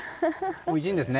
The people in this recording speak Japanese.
おいしいんですね。